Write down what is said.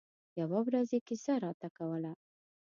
يوه ورځ يې کیسه راته کوله.